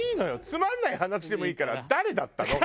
つまんない話でもいいから誰だったの！？」。